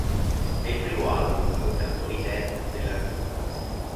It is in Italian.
È il primo album con canzoni dance dell'artista.